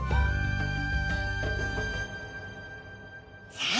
さあ